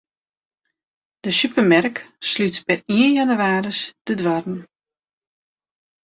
De supermerk slút per ien jannewaris de doarren.